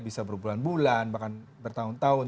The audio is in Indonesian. bisa berbulan bulan bahkan bertahun tahun